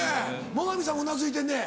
最上さんうなずいてんね。